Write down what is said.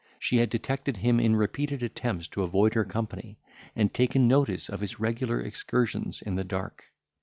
She had detected him in repeated attempts to avoid her company, and taken notice of his regular excursions in the dark.